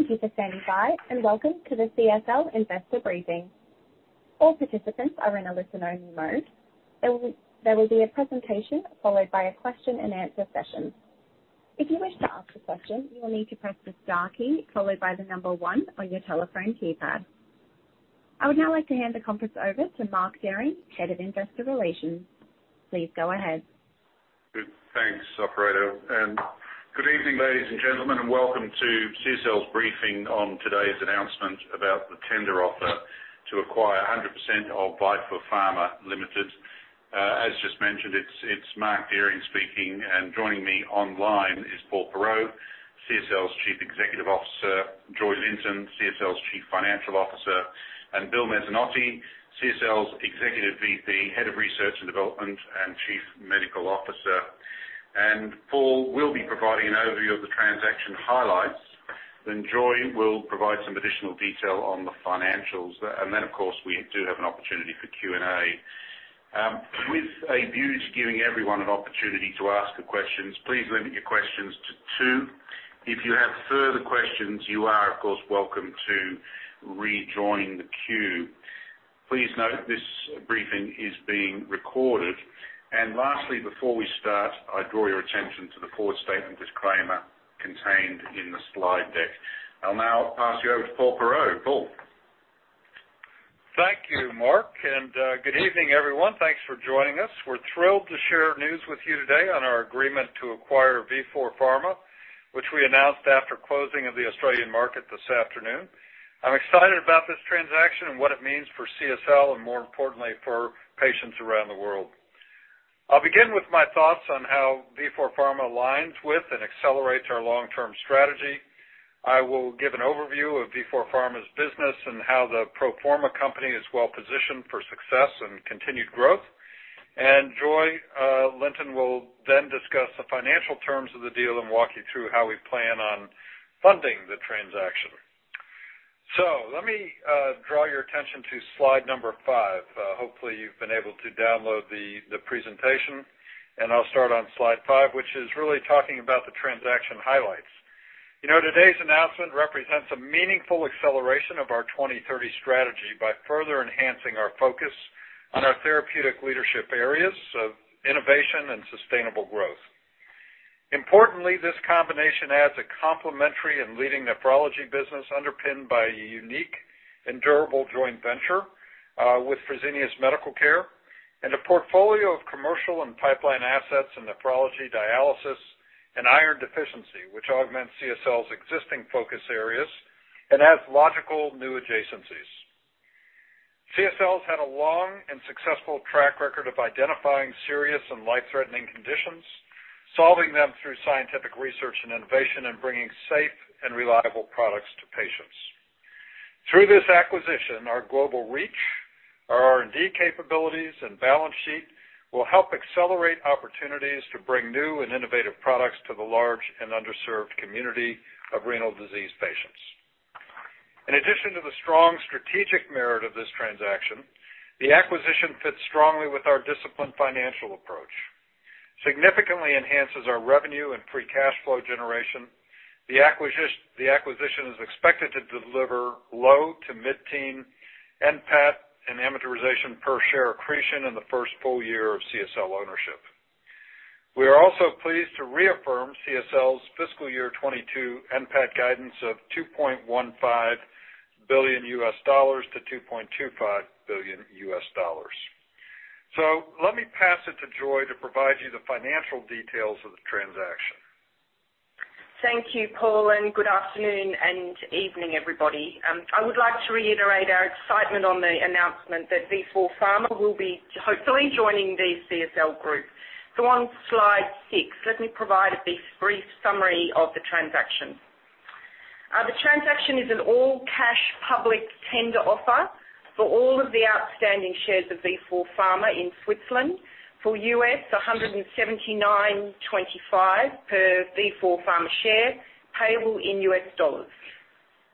Thank you for standing by, and welcome to the CSL investor briefing. All participants are in a listen-only mode. There will be a presentation followed by a question-and-answer session. If you wish to ask a question, you will need to press the star key followed by the number one on your telephone keypad. I would now like to hand the conference over to Mark Dehring, Head of Investor Relations. Please go ahead. Good. Thanks, operator, and good evening, ladies and gentlemen, and welcome to CSL's briefing on today's announcement about the tender offer to acquire 100% of Vifor Pharma Ltd. As just mentioned, it's Mark Dehring speaking, and joining me online is Paul Perreault, CSL's Chief Executive Officer, Joy Linton, CSL's Chief Financial Officer, and Bill Mezzanotte, CSL's Executive VP, Head of Research and Development, and Chief Medical Officer. Paul will be providing an overview of the transaction highlights, then Joy will provide some additional detail on the financials. And then, of course, we do have an opportunity for Q&A. With a view to giving everyone an opportunity to ask the questions, please limit your questions to two. If you have further questions, you are, of course, welcome to rejoin the queue. Please note this briefing is being recorded. Lastly, before we start, I draw your attention to the forward-looking statement disclaimer contained in the slide deck. I'll now pass you over to Paul Perreault. Paul? Thank you, Mark, and good evening, everyone. Thanks for joining us. We're thrilled to share news with you today on our agreement to acquire Vifor Pharma, which we announced after closing of the Australian market this afternoon. I'm excited about this transaction and what it means for CSL and, more importantly, for patients around the world. I'll begin with my thoughts on how Vifor Pharma aligns with and accelerates our long-term strategy. I will give an overview of Vifor Pharma's business and how the proforma company is well-positioned for success and continued growth. Joy Linton will then discuss the financial terms of the deal and walk you through how we plan on funding the transaction. Let me draw your attention to slide number five. Hopefully, you've been able to download the presentation, and I'll start on slide five, which is really talking about the transaction highlights. You know, today's announcement represents a meaningful acceleration of our 2030 strategy by further enhancing our focus on our therapeutic leadership areas of innovation and sustainable growth. Importantly, this combination adds a complementary and leading nephrology business underpinned by a unique and durable joint venture with Fresenius Medical Care, and a portfolio of commercial and pipeline assets in nephrology dialysis and iron deficiency, which augments CSL's existing focus areas and adds logical new adjacencies. CSL's had a long and successful track record of identifying serious and life-threatening conditions, solving them through scientific research and innovation, and bringing safe and reliable products to patients. Through this acquisition, our global reach, our R&D capabilities, and balance sheet will help accelerate opportunities to bring new and innovative products to the large and underserved community of renal disease patients. In addition to the strong strategic merit of this transaction, the acquisition fits strongly with our disciplined financial approach, significantly enhances our revenue and free cash flow generation. The acquisition is expected to deliver low to mid-teen NPATA per share accretion in the first full year of CSL ownership. We are also pleased to reaffirm CSL's FY 2022 NPAT guidance of $2.15 billion-$2.25 billion. Let me pass it to Joy to provide you the financial details of the transaction. Thank you, Paul, and good afternoon and evening, everybody. I would like to reiterate our excitement on the announcement that Vifor Pharma will be hopefully joining the CSL group. On slide six, let me provide a brief summary of the transaction. The transaction is an all-cash public tender offer for all of the outstanding shares of Vifor Pharma in Switzerland for $179.25 per Vifor Pharma share, payable in U.S. dollars.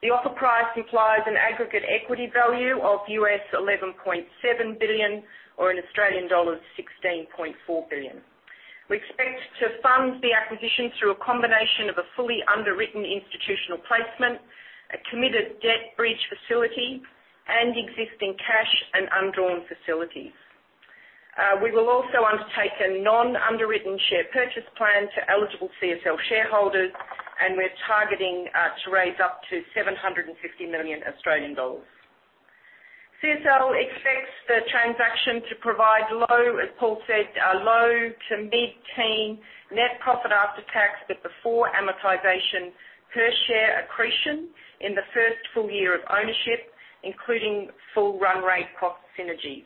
The offer price implies an aggregate equity value of $11.7 billion or Australian dollars 16.4 billion. We expect to fund the acquisition through a combination of a fully underwritten institutional placement, a committed debt bridge facility, and existing cash and undrawn facilities. We will also undertake a non-underwritten Share Purchase Plan to eligible CSL shareholders, and we're targeting to raise up to 750 million Australian dollars. CSL expects the transaction to provide low- to mid-teen net profit after tax but before amortization per-share accretion in the first full year of ownership, including full run-rate cost synergies.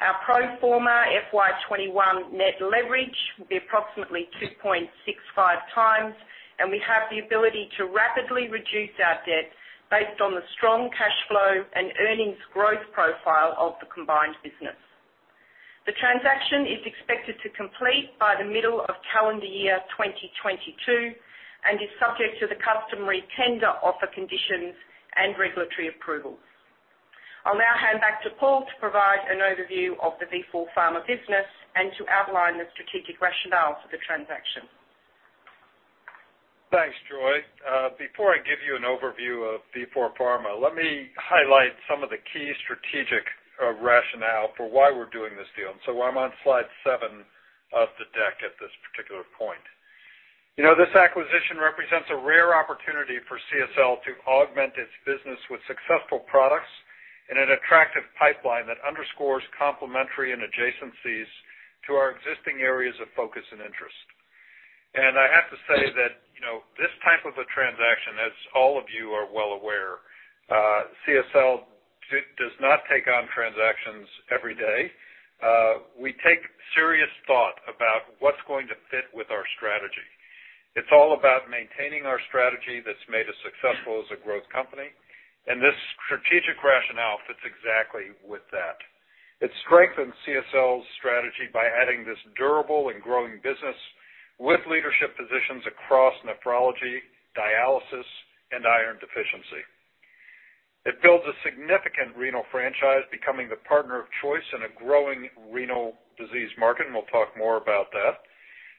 Our pro forma FY 2021 net leverage will be approximately 2.65x, and we have the ability to rapidly reduce our debt based on the strong cash flow and earnings growth profile of the combined business. The transaction is expected to complete by the middle of calendar year 2022 and is subject to the customary tender offer conditions and regulatory approval. I'll now hand back to Paul to provide an overview of the Vifor Pharma business and to outline the strategic rationale for the transaction. Thanks, Joy. Before I give you an overview of Vifor Pharma, let me highlight some of the key strategic rationale for why we're doing this deal. I'm on slide seven of the deck at this particular point. You know, this acquisition represents a rare opportunity for CSL to augment its business with successful products and an attractive pipeline that underscores complementary and adjacencies to our existing areas of focus and interest. I have to say that, you know, this type of a transaction, as all of you are well aware, CSL does not take on transactions every day. We take serious thought about what's going to fit with our strategy. It's all about maintaining our strategy that's made us successful as a growth company, and this strategic rationale fits exactly with that. It strengthens CSL's strategy by adding this durable and growing business with leadership positions across nephrology, dialysis, and iron deficiency. It builds a significant renal franchise, becoming the partner of choice in a growing renal disease market, and we'll talk more about that.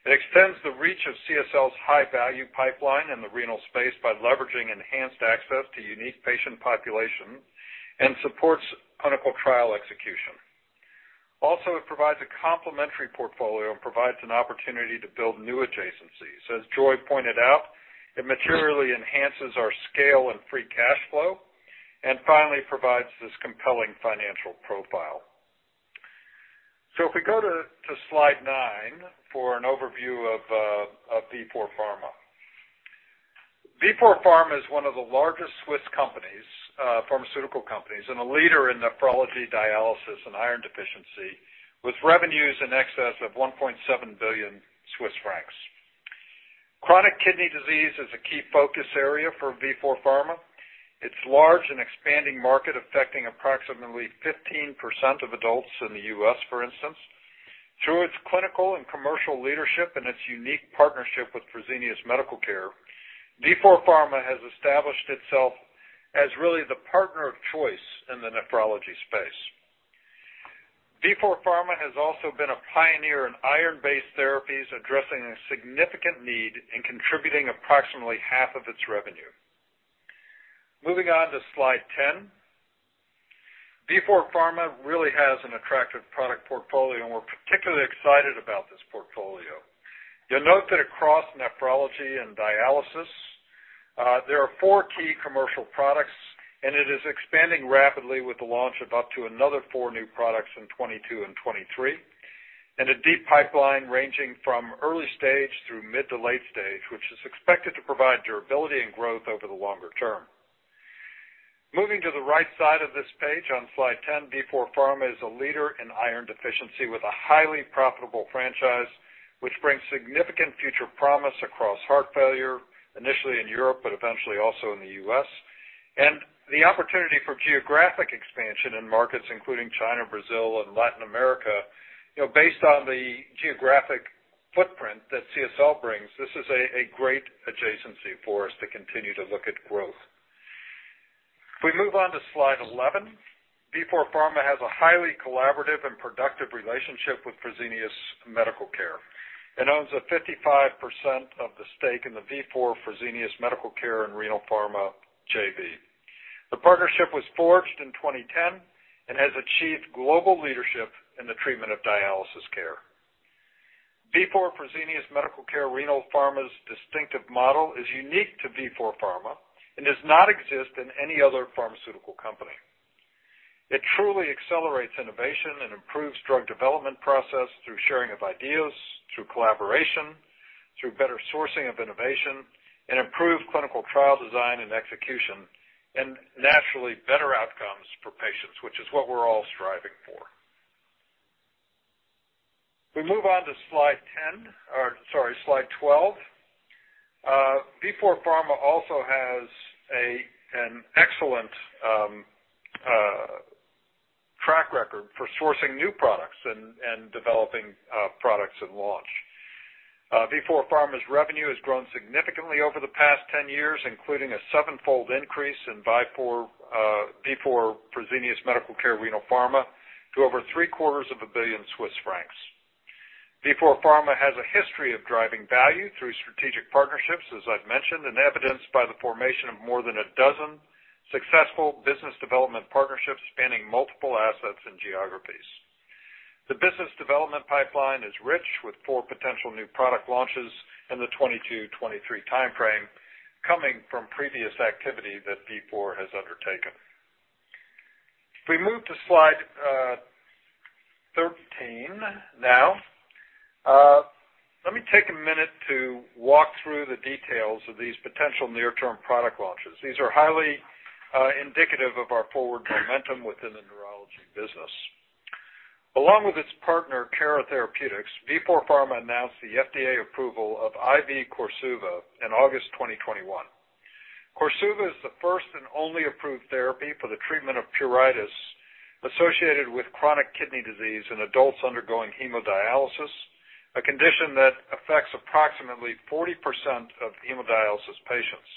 It extends the reach of CSL's high-value pipeline in the renal space by leveraging enhanced access to unique patient population and supports clinical trial execution. Also, it provides a complementary portfolio and provides an opportunity to build new adjacencies. As Joy pointed out, it materially enhances our scale and free cash flow, and finally provides this compelling financial profile. If we go to slide nine for an overview of Vifor Pharma. Vifor Pharma is one of the largest Swiss pharmaceutical companies and a leader in nephrology, dialysis, and iron deficiency, with revenues in excess of 1.7 billion Swiss francs. Chronic kidney disease is a key focus area for Vifor Pharma. It's a large and expanding market, affecting approximately 15% of adults in the U.S., for instance. Through its clinical and commercial leadership and its unique partnership with Fresenius Medical Care, Vifor Pharma has established itself as really the partner of choice in the nephrology space. Vifor Pharma has also been a pioneer in iron-based therapies, addressing a significant need and contributing approximately half of its revenue. Moving on to slide 10. Vifor Pharma really has an attractive product portfolio, and we're particularly excited about this portfolio. You'll note that across nephrology and dialysis, there are four key commercial products, and it is expanding rapidly with the launch of up to another four new products in 2022 and 2023, and a deep pipeline ranging from early stage through mid to late stage, which is expected to provide durability and growth over the longer term. Moving to the right side of this page on slide 10, Vifor Pharma is a leader in iron deficiency with a highly profitable franchise, which brings significant future promise across heart failure, initially in Europe, but eventually also in the U.S., and the opportunity for geographic expansion in markets including China, Brazil, and Latin America. You know, based on the geographic footprint that CSL brings, this is a great adjacency for us to continue to look at growth. If we move on to slide 11, Vifor Pharma has a highly collaborative and productive relationship with Fresenius Medical Care and owns a 55% of the stake in the Vifor Fresenius Medical Care Renal Pharma JV. The partnership was forged in 2010 and has achieved global leadership in the treatment of dialysis care. Vifor Fresenius Medical Care Renal Pharma's distinctive model is unique to Vifor Pharma and does not exist in any other pharmaceutical company. It truly accelerates innovation and improves drug development process through sharing of ideas, through collaboration, through better sourcing of innovation, and improved clinical trial design and execution, and naturally, better outcomes for patients, which is what we're all striving for. If we move on to slide 10 or sorry, slide 12. Vifor Pharma also has an excellent track record for sourcing new products and developing products at launch. Vifor Pharma's revenue has grown significantly over the past 10 years, including a seven-fold increase in Vifor Fresenius Medical Care Renal Pharma to over three-quarters of a billion CHF. Vifor Pharma has a history of driving value through strategic partnerships, as I've mentioned, and evidenced by the formation of more than a dozen successful business development partnerships spanning multiple assets and geographies. The business development pipeline is rich with four potential new product launches in the 2022-2023 time frame coming from previous activity that Vifor has undertaken. If we move to slide 13 now. Let me take a minute to walk through the details of these potential near-term product launches. These are highly indicative of our forward momentum within the neurology business. Along with its partner, Cara Therapeutics, Vifor Pharma announced the FDA approval of IV Korsuva in August 2021. Korsuva is the first and only approved therapy for the treatment of pruritus associated with chronic kidney disease in adults undergoing hemodialysis, a condition that affects approximately 40% of hemodialysis patients.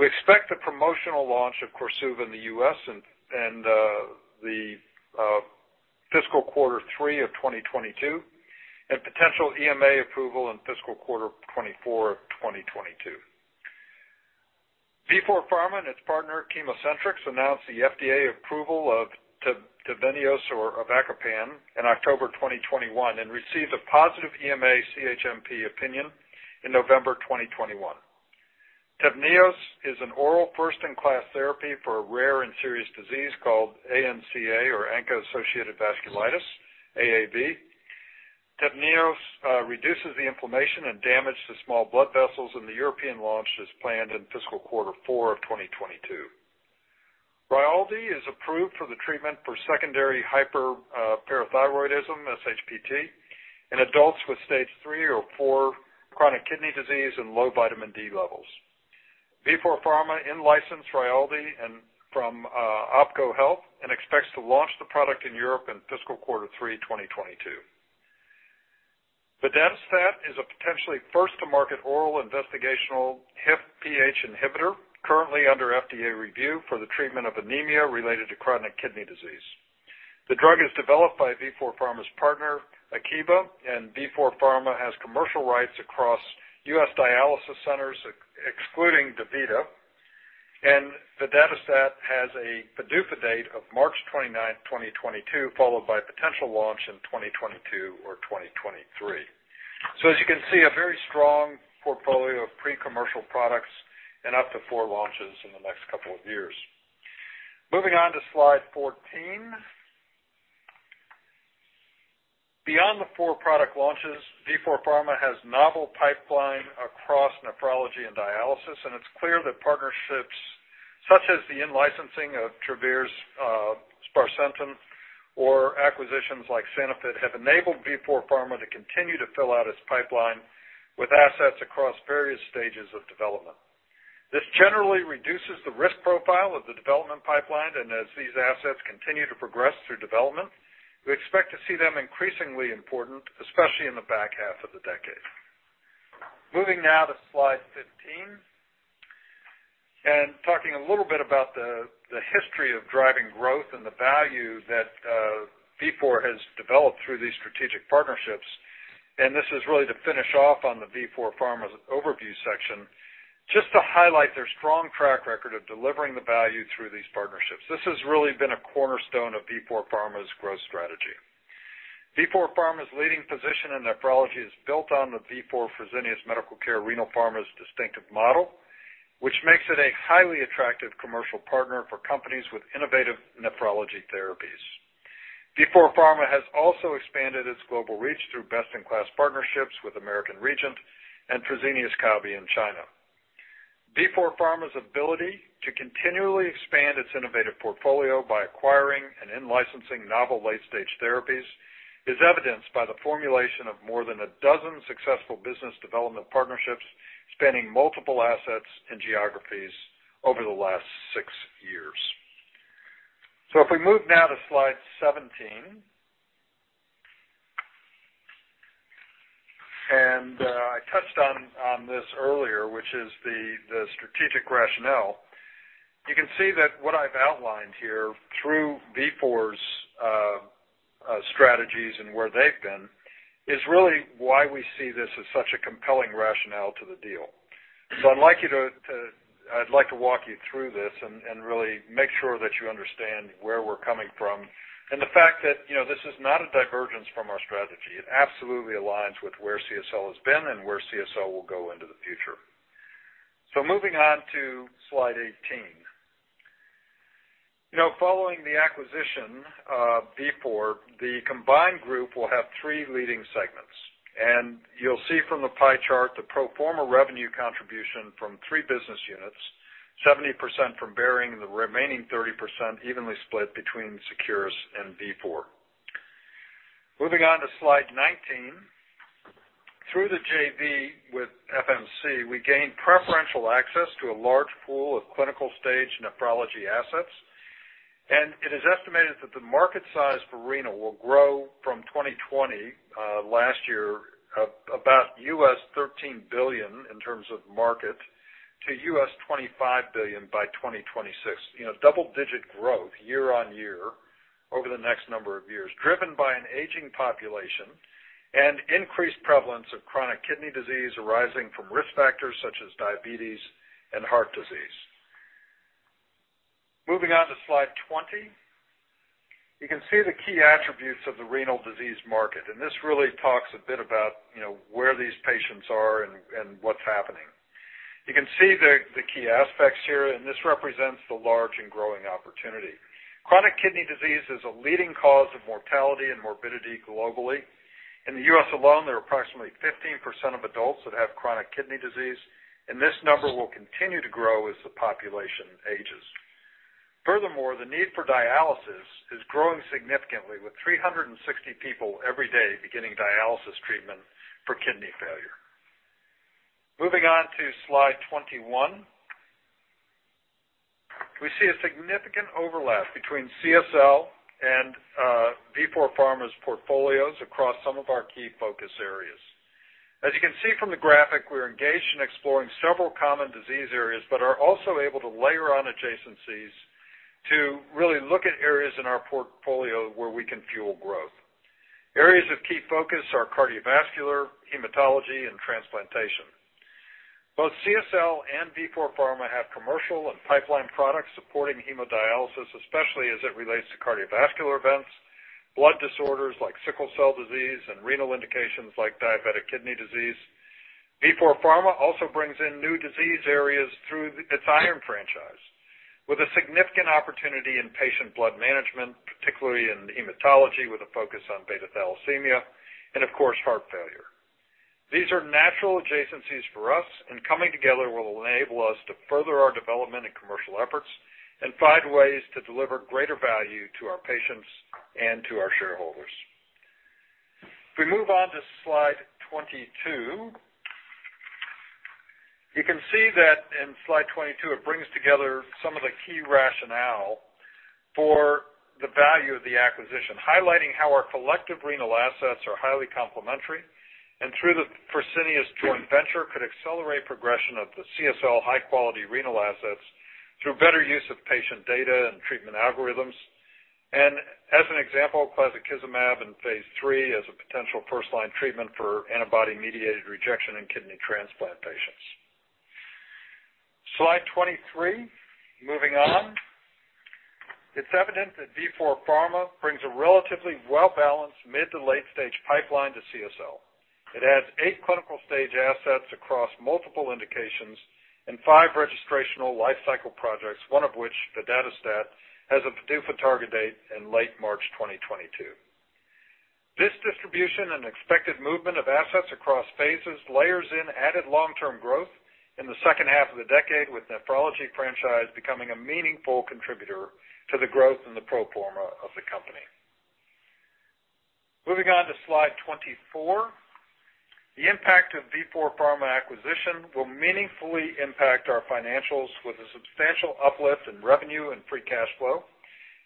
We expect the promotional launch of Korsuva in the U.S. in fiscal quarter three of 2022 and potential EMA approval in fiscal quarter four of 2022. Vifor Pharma and its partner, ChemoCentryx, announced the FDA approval of TAVNEOS or avacopan in October 2021 and received a positive EMA CHMP opinion in November 2021. TAVNEOS is an oral first-in-class therapy for a rare and serious disease called ANCA or ANCA-associated vasculitis, AAV. TAVNEOS reduces the inflammation and damage to small blood vessels, and the European launch is planned in fiscal quarter four of 2022. Rayaldee is approved for the treatment for secondary hyperparathyroidism, SHPT, in adults with stage three or four chronic kidney disease and low vitamin D levels. Vifor Pharma in-licensed Rayaldee from OPKO Health and expects to launch the product in Europe in fiscal quarter three, 2022. vadadustat is a potentially first-to-market oral investigational HIF-PH inhibitor currently under FDA review for the treatment of anemia related to chronic kidney disease. The drug is developed by Vifor Pharma's partner, Akebia, and Vifor Pharma has commercial rights across U.S. dialysis centers, excluding DaVita. vadadustat has a PDUFA date of March 29th, 2022, followed by a potential launch in 2022 or 2023. As you can see, a very strong portfolio of pre-commercial products and up to four launches in the next couple of years. Moving on to slide 14. Beyond the four product launches, Vifor Pharma has novel pipeline across nephrology and dialysis, and it's clear that partnerships such as the in-licensing of Travere's sparsentan or acquisitions like Sanifit have enabled Vifor Pharma to continue to fill out its pipeline with assets across various stages of development. This generally reduces the risk profile of the development pipeline, and as these assets continue to progress through development, we expect to see them increasingly important, especially in the back half of the decade. Moving now to slide 15 and talking a little bit about the history of driving growth and the value that Vifor has developed through these strategic partnerships. This is really to finish off on the Vifor Pharma's overview section, just to highlight their strong track record of delivering the value through these partnerships. This has really been a cornerstone of Vifor Pharma's growth strategy. Vifor Pharma's leading position in nephrology is built on the Vifor Fresenius Medical Care Renal Pharma's distinctive model, which makes it a highly attractive commercial partner for companies with innovative nephrology therapies. Vifor Pharma has also expanded its global reach through best-in-class partnerships with American Regent and Fresenius Kabi in China. Vifor Pharma's ability to continually expand its innovative portfolio by acquiring and in-licensing novel late-stage therapies is evidenced by the formulation of more than a dozen successful business development partnerships spanning multiple assets and geographies over the last six years. If we move now to slide 17, and I touched on this earlier, which is the strategic rationale. You can see that what I've outlined here through Vifor's strategies and where they've been is really why we see this as such a compelling rationale to the deal. I'd like to walk you through this and really make sure that you understand where we're coming from and the fact that, you know, this is not a divergence from our strategy. It absolutely aligns with where CSL has been and where CSL will go into the future. Moving on to slide 18. You know, following the acquisition of Vifor, the combined group will have three leading segments. You'll see from the pie chart the pro forma revenue contribution from three business units, 70% from Behring and the remaining 30% evenly split between Seqirus and Vifor. Moving on to slide 19. Through the JV with FMC, we gained preferential access to a large pool of clinical-stage nephrology assets. It is estimated that the market size for renal will grow from 2020, last year, about $13 billion in terms of market to $25 billion by 2026. You know, double-digit growth year-on-year over the next number of years, driven by an aging population and increased prevalence of chronic kidney disease arising from risk factors such as diabetes and heart disease. Moving on to slide 20, you can see the key attributes of the renal disease market, and this really talks a bit about, you know, where these patients are and what's happening. You can see the key aspects here, and this represents the large and growing opportunity. Chronic kidney disease is a leading cause of mortality and morbidity globally. In the U.S. alone, there are approximately 15% of adults that have chronic kidney disease, and this number will continue to grow as the population ages. Furthermore, the need for dialysis is growing significantly, with 360 people every day beginning dialysis treatment for kidney failure. Moving on to slide 21. We see a significant overlap between CSL and Vifor Pharma's portfolios across some of our key focus areas. As you can see from the graphic, we're engaged in exploring several common disease areas, but are also able to layer on adjacencies to really look at areas in our portfolio where we can fuel growth. Areas of key focus are cardiovascular, hematology and transplantation. Both CSL and Vifor Pharma have commercial and pipeline products supporting hemodialysis, especially as it relates to cardiovascular events, blood disorders like sickle cell disease, and renal indications like diabetic kidney disease. Vifor Pharma also brings in new disease areas through its iron franchise, with a significant opportunity in patient blood management, particularly in hematology, with a focus on beta thalassemia and of course, heart failure. These are natural adjacencies for us, and coming together will enable us to further our development and commercial efforts and find ways to deliver greater value to our patients and to our shareholders. If we move on to slide 22. You can see that in slide 22, it brings together some of the key rationale for the value of the acquisition, highlighting how our collective renal assets are highly complementary and through the Fresenius joint venture, could accelerate progression of the CSL high quality renal assets through better use of patient data and treatment algorithms. As an example, plasmapheresis mab in phase III as a potential first-line treatment for antibody-mediated rejection in kidney transplant patients. Slide 23. Moving on. It's evident that Vifor Pharma brings a relatively well-balanced mid- to late-stage pipeline to CSL. It has eight clinical-stage assets across multiple indications and five registrational lifecycle projects, one of which, vadadustat, has a PDUFA target date in late March 2022. This distribution and expected movement of assets across phases, layering in added long-term growth in the second half of the decade, with nephrology franchise becoming a meaningful contributor to the growth in the pro forma for the company. Moving on to slide 24. The impact of Vifor Pharma acquisition will meaningfully impact our financials with a substantial uplift in revenue and free cash flow.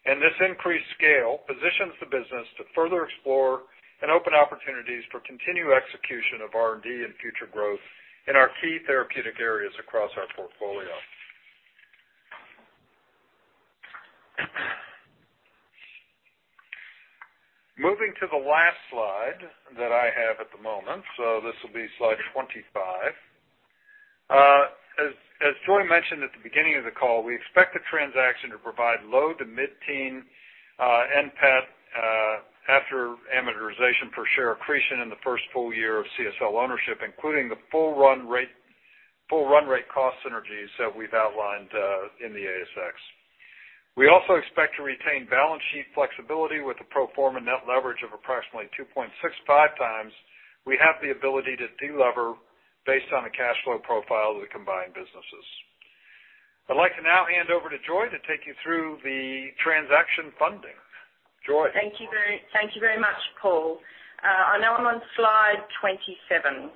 This increased scale positions the business to further explore and open opportunities for continued execution of R&D and future growth in our key therapeutic areas across our portfolio. Moving to the last slide that I have at the moment. This will be slide 25. As Joy mentioned at the beginning of the call, we expect the transaction to provide low- to mid-teens% NPAT after amortization for share accretion in the first full year of CSL ownership, including the full run rate cost synergies that we've outlined in the ASX. We also expect to retain balance sheet flexibility with the pro forma net leverage of approximately 2.65x. We have the ability to de-lever based on the cash flow profile of the combined businesses. I'd like to now hand over to Joy to take you through the transaction funding. Joy. Thank you very much, Paul. I know I'm on slide 27.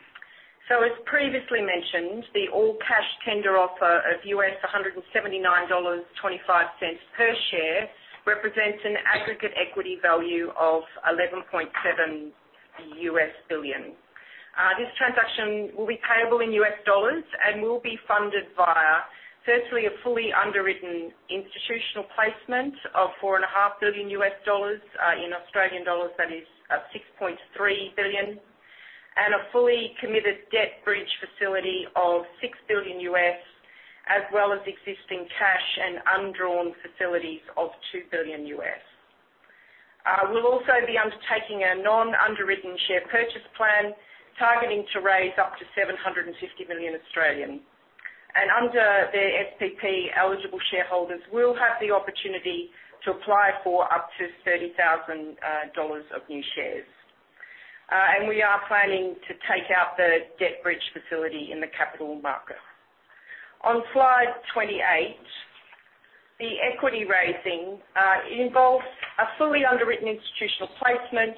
As previously mentioned, the all-cash tender offer of $179.25 per share represents an aggregate equity value of $11.7 billion. This transaction will be payable in US dollars and will be funded via, firstly, a fully underwritten institutional placement of $4.5 billion. In Australian dollars, that is, 6.3 billion and a fully committed debt bridge facility of $6 billion, as well as existing cash and undrawn facilities of $2 billion. We'll also be undertaking a non-underwritten share purchase plan, targeting to raise up to 750 million. Under the SPP, eligible shareholders will have the opportunity to apply for up to 30,000 dollars of new shares. We are planning to take out the debt bridge facility in the capital market. On slide 28, the equity raising involves a fully underwritten institutional placement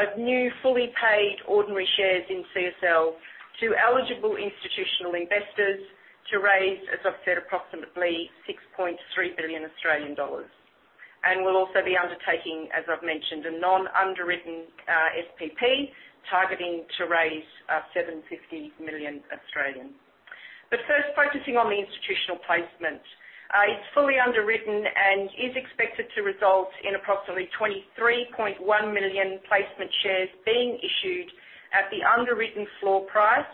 of new, fully paid ordinary shares in CSL to eligible institutional investors to raise, as I've said, approximately 6.3 billion Australian dollars. We'll also be undertaking, as I've mentioned, a non-underwritten SPP targeting to raise 750 million Australian dollars. First, focusing on the institutional placement. It's fully underwritten and is expected to result in approximately 23.1 million placement shares being issued at the underwritten floor price,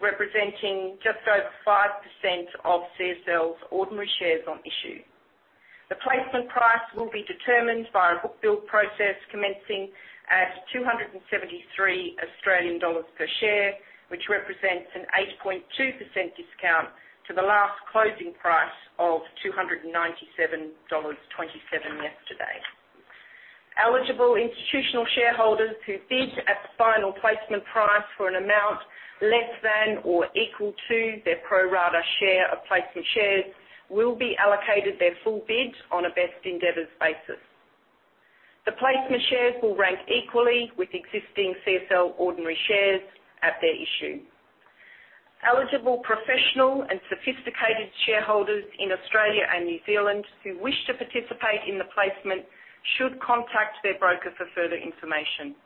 representing just over 5% of CSL's ordinary shares on issue. The placement price will be determined by a bookbuild process commencing at 273 Australian dollars per share, which represents an 8.2% discount to the last closing price of 297.27 dollars yesterday. Eligible institutional shareholders who bid at the final placement price for an amount less than or equal to their pro-rata share of placement shares will be allocated their full bid on a best endeavors basis. The placement shares will rank equally with existing CSL ordinary shares at their issue. Eligible professional and sophisticated shareholders in Australia and New Zealand who wish to participate in the placement should contact their broker for further information,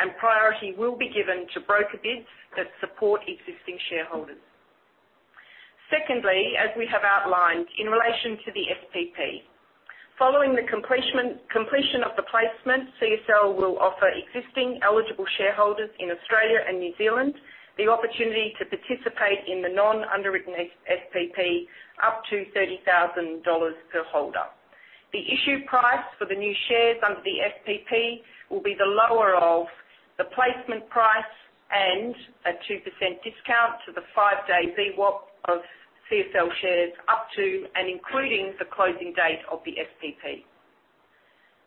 and priority will be given to broker bids that support existing shareholders. Secondly, as we have outlined in relation to the SPP, following the completion of the placement, CSL will offer existing eligible shareholders in Australia and New Zealand the opportunity to participate in the non-underwritten F-SPP up to 30,000 dollars per holder. The issue price for the new shares under the SPP will be the lower of the placement price and a 2% discount to the five-day VWAP of CSL shares up to and including the closing date of the SPP.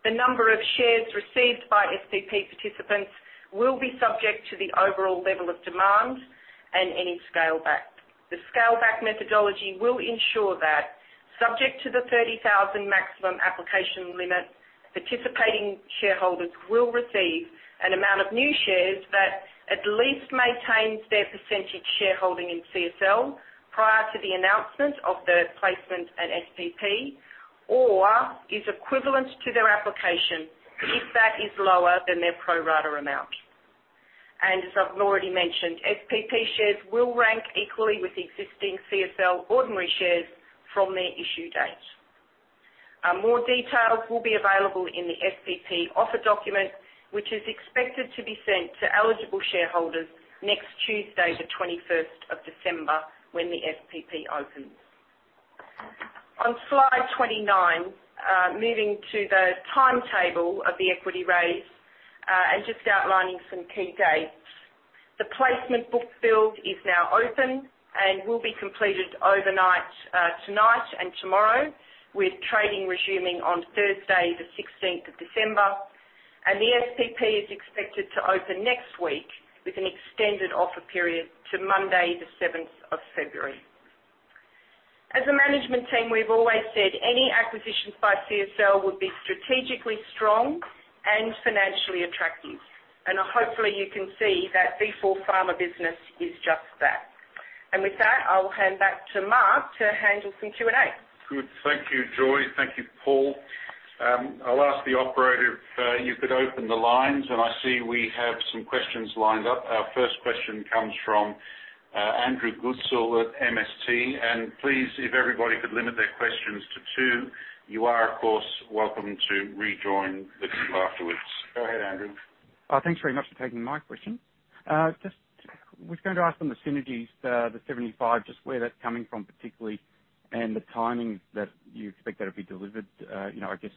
The number of shares received by SPP participants will be subject to the overall level of demand and any scale back. The scale-back methodology will ensure that subject to the 30,000 maximum application limit, participating shareholders will receive an amount of new shares that at least maintains their percentage shareholding in CSL prior to the announcement of the placement and SPP, or is equivalent to their application if that is lower than their pro-rata amount. As I've already mentioned, SPP shares will rank equally with existing CSL ordinary shares from their issue date. More details will be available in the SPP offer document, which is expected to be sent to eligible shareholders next Tuesday, the 21st of December, when the SPP opens. On slide 29, moving to the timetable of the equity raise, and just outlining some key dates. The placement book build is now open and will be completed overnight, tonight and tomorrow, with trading resuming on Thursday, the 16th of December. The SPP is expected to open next week with an extended offer period to Monday, the 7th of February. As a management team, we've always said any acquisitions by CSL would be strategically strong and financially attractive. Hopefully you can see that Vifor Pharma business is just that. With that, I'll hand back to Mark to handle some Q&A. Good. Thank you, Joy. Thank you, Paul. I'll ask the operator if you could open the lines, and I see we have some questions lined up. Our first question comes from Andrew Goodsall at MST. Please, if everybody could limit their questions to two. You are, of course, welcome to rejoin the queue afterwards. Go ahead, Andrew. Thanks very much for taking my question. Just was going to ask on the synergies, the 75, just where that's coming from particularly, and the timing that you expect that to be delivered, you know, I guess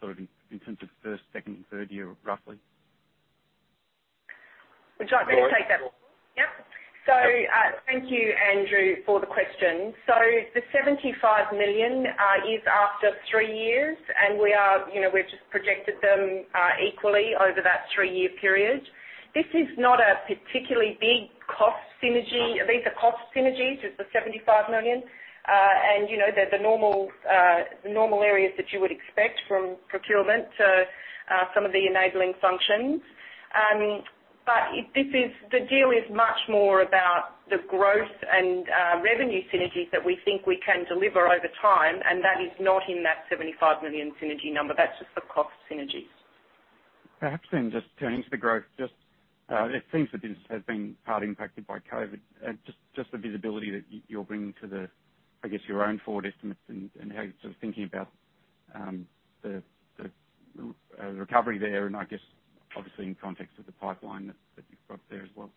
sort of in terms of first, second and third year, roughly. Would you like me to take that? Joy. Thank you, Andrew, for the question. The $75 million is after three years, and you know, we've just projected them equally over that three-year period. This is not a particularly big cost synergy. These are cost synergies with the $75 million. You know, they're the normal areas that you would expect from procurement to some of the enabling functions. This is the deal is much more about the growth and revenue synergies that we think we can deliver over time. That is not in that $75 million synergy number. That's just the cost synergies. Perhaps then just turning to the growth, it seems the business has been hard impacted by COVID. Just the visibility that you're bringing to the, I guess, your own forward estimates and how you're sort of thinking about the recovery there and I guess obviously in context of the pipeline that you've got there as well.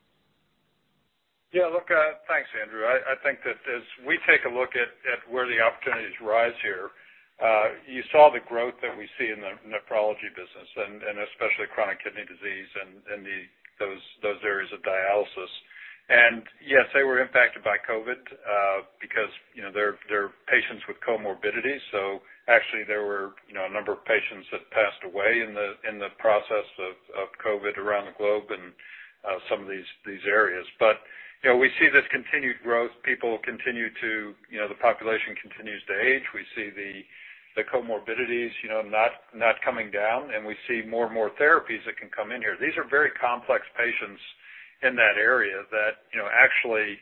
Yeah. Look, thanks, Andrew. I think that as we take a look at where the opportunities arise here, you saw the growth that we see in the nephrology business and especially chronic kidney disease and those areas of dialysis. Yes, they were impacted by COVID, because, you know, they're patients with comorbidities. Actually, there were, you know, a number of patients that passed away in the process of COVID around the globe and some of these areas. You know, we see this continued growth. People continue to, you know, the population continues to age. We see the comorbidities, you know, not coming down, and we see more and more therapies that can come in here. These are very complex patients in that area that, you know, actually,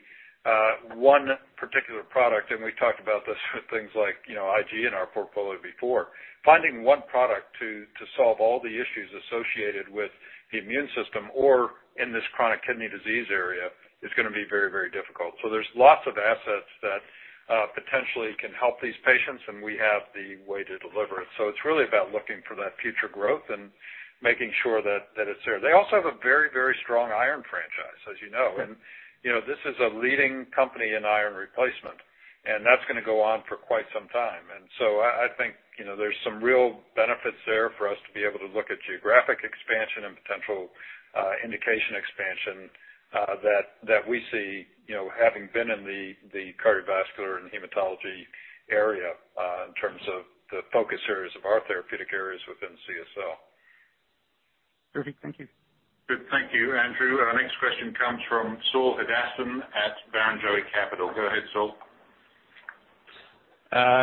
one particular product, and we talked about this with things like, you know, IG in our portfolio before. Finding one product to solve all the issues associated with the immune system or in this chronic kidney disease area is gonna be very, very difficult. There's lots of assets that, potentially can help these patients, and we have the way to deliver it. It's really about looking for that future growth and making sure that it's there. They also have a very, very strong iron franchise, as you know. You know, this is a leading company in iron replacement, and that's gonna go on for quite some time. I think, you know, there's some real benefits there for us to be able to look at geographic expansion and potential indication expansion that we see, you know, having been in the cardiovascular and hematology area in terms of the focus areas of our therapeutic areas within CSL. Perfect. Thank you. Good. Thank you, Andrew. Our next question comes from Saul Hadassin at Barrenjoey Capital. Go ahead, Saul.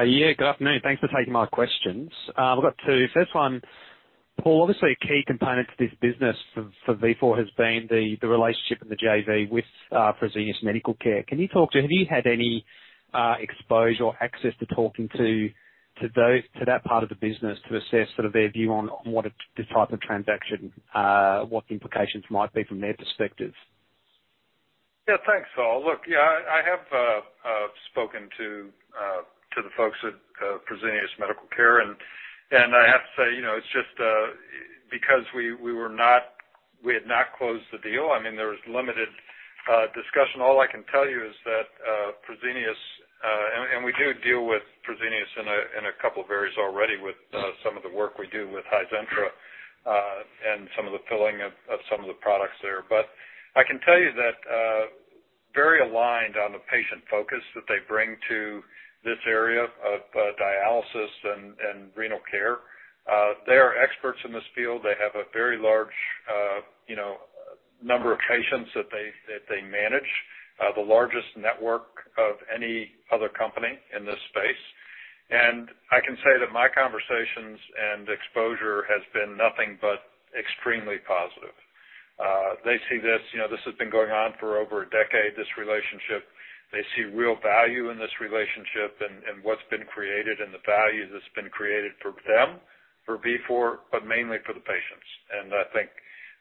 Yeah, good afternoon. Thanks for taking my questions. I've got two. First one, Paul, obviously, a key component to this business for Vifor has been the relationship and the JV with Fresenius Medical Care. Have you had any exposure or access to talking to that part of the business to assess sort of their view on this type of transaction, what the implications might be from their perspective? Yeah, thanks, Saul. Look, yeah, I have spoken to the folks at Fresenius Medical Care, and I have to say, you know, it's just because we had not closed the deal, I mean, there was limited discussion. All I can tell you is that Fresenius and we do deal with Fresenius in a couple of areas already with some of the work we do with Hizentra and some of the filling of some of the products there. But I can tell you that very aligned on the patient focus that they bring to this area of dialysis and renal care. They are experts in this field. They have a very large, you know, number of patients that they manage, the largest network of any other company in this space. I can say that my conversations and exposure has been nothing but extremely positive. They see this, you know, this has been going on for over a decade, this relationship. They see real value in this relationship and what's been created and the value that's been created for them, for Vifor, but mainly for the patients. I think,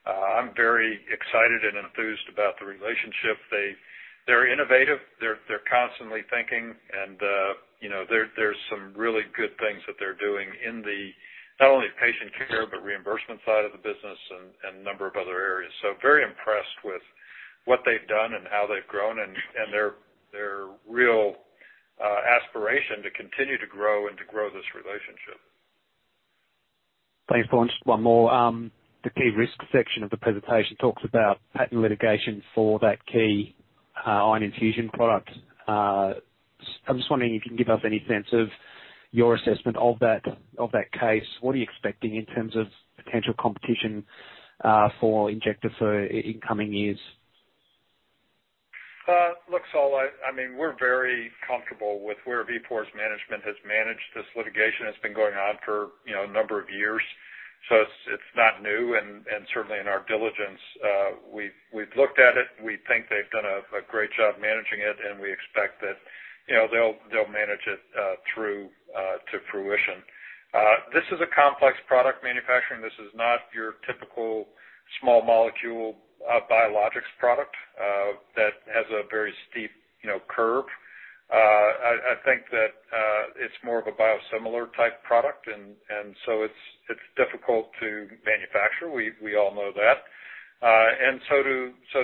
I'm very excited and enthused about the relationship. They're innovative, they're constantly thinking, and, you know, there's some really good things that they're doing in not only patient care, but reimbursement side of the business and a number of other areas. Very impressed with what they've done and how they've grown and their real aspiration to continue to grow and to grow this relationship. Thanks, Paul. Just one more. The key risks section of the presentation talks about patent litigation for that key iron infusion product. I'm just wondering if you can give us any sense of your assessment of that case. What are you expecting in terms of potential competition for Injectafer in coming years? Look, Saul, I mean, we're very comfortable with where Vifor's management has managed this litigation. It's been going on for, you know, a number of years, so it's not new, and certainly in our diligence, we've looked at it. We think they've done a great job managing it, and we expect that, you know, they'll manage it through to fruition. This is a complex product manufacturing. This is not your typical small molecule biologics product that has a very steep, you know, curve. I think that it's more of a biosimilar type product and so it's difficult to manufacture. We all know that, and so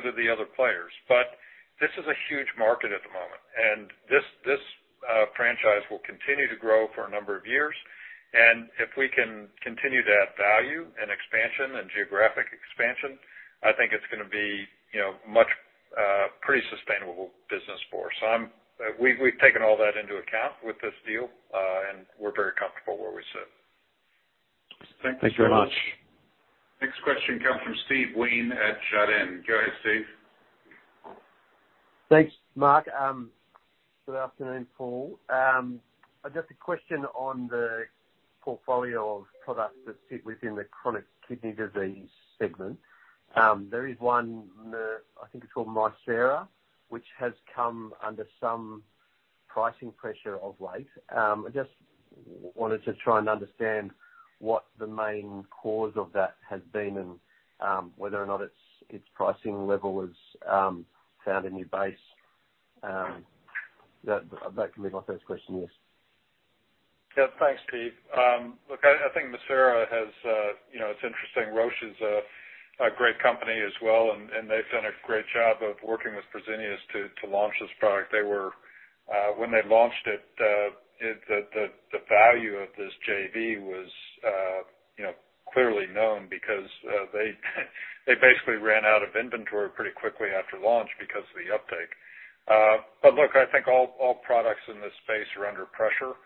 do the other players. This is a huge market at the moment, and this franchise will continue to grow for a number of years. If we can continue to add value and expansion and geographic expansion, I think it's gonna be, you know, much pretty sustainable business for us. We've taken all that into account with this deal, and we're very comfortable where we sit. Thank you so much. Thank you very much. Next question comes from Steve Wheen at Schroders. Go ahead, Steve. Thanks, Mark. Good afternoon, Paul. I've just a question on the portfolio of products that sit within the chronic kidney disease segment. There is one, I think it's called Mircera, which has come under some pricing pressure of late. I just wanted to try and understand what the main cause of that has been and whether or not its pricing level has found a new base. That can be my first question, yes. Yeah. Thanks, Steve. Look, I think Mircera has. It's interesting, Roche is a great company as well, and they've done a great job of working with Fresenius to launch this product. When they launched it, the value of this JV was clearly known because they basically ran out of inventory pretty quickly after launch because of the uptake. But look, I think all products in this space are under pressure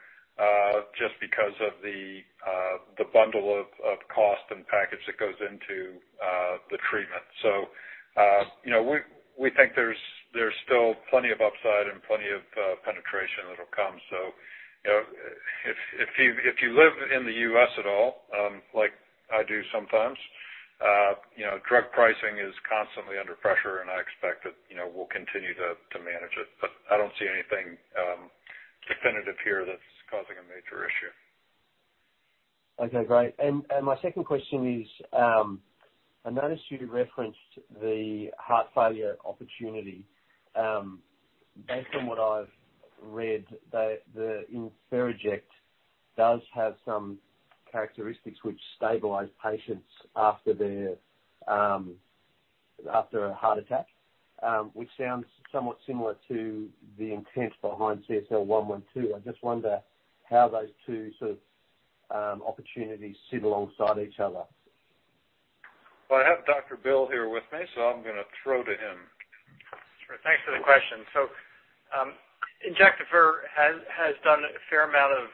just because of the bundle of cost and package that goes into the treatment. So we think there's still plenty of upside and plenty of penetration that'll come. You know, if you live in the U.S. at all, like I do sometimes, you know, drug pricing is constantly under pressure, and I expect that, you know, we'll continue to manage it. I don't see anything definitive here that's causing a major issue. Okay, great. My second question is, I noticed you referenced the heart failure opportunity. Based on what I've read, the Ferinject does have some characteristics which stabilize patients after a heart attack, which sounds somewhat similar to the intent behind CSL 112. I just wonder how those two sort of opportunities sit alongside each other. Well, I have Dr. Bill here with me, so I'm gonna throw to him. Sure. Thanks for the question. Injectafer has done a fair amount of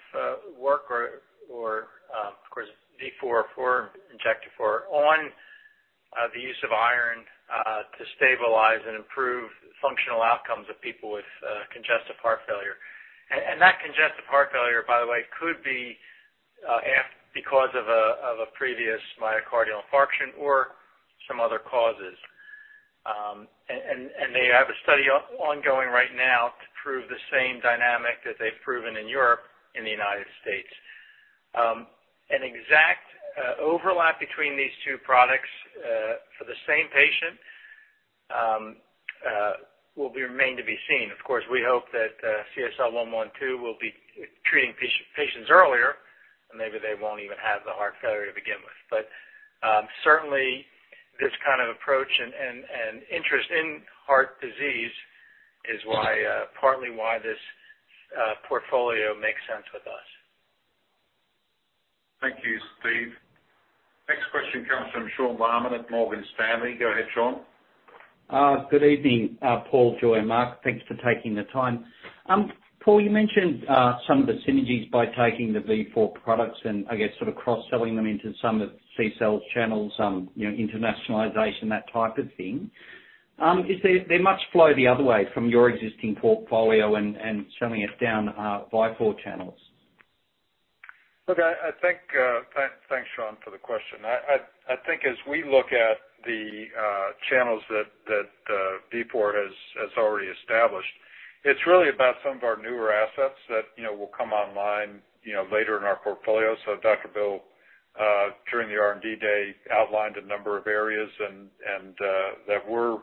work, of course, Vifor for Injectafer on The use of iron to stabilize and improve functional outcomes of people with congestive heart failure. That congestive heart failure, by the way, could be because of a previous myocardial infarction or some other causes. They have a study ongoing right now to prove the same dynamic that they've proven in Europe, in the United States. An exact overlap between these two products for the same patient will remain to be seen. Of course, we hope that CSL112 will be treating patients earlier, and maybe they won't even have the heart failure to begin with. Certainly this kind of approach and interest in heart disease is partly why this portfolio makes sense with us. Thank you, Steve. Next question comes from Sean Laaman at Morgan Stanley. Go ahead, Sean. Good evening, Paul, Joy, and Mark. Thanks for taking the time. Paul, you mentioned some of the synergies by taking the Vifor products and I guess sort of cross-selling them into some of CSL's channels, you know, internationalization, that type of thing. Is there much flow the other way from your existing portfolio and selling it into Vifor channels. Look, I think. Thanks, Sean, for the question. I think as we look at the channels that Vifor has already established, it's really about some of our newer assets that, you know, will come online, you know, later in our portfolio. Dr. Bill, during the R&D Day, outlined a number of areas and that we're